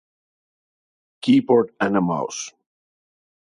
keep up the animals